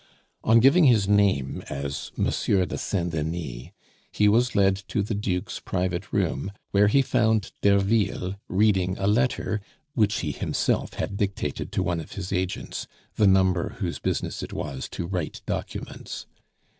On giving his name as Monsieur de Saint Denis, he was led to the Duke's private room, where he found Derville reading a letter, which he himself had dictated to one of his agents, the "number" whose business it was to write documents.